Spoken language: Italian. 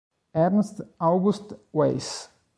Ernst August Weiss